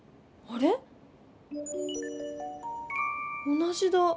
あれ⁉同じだ。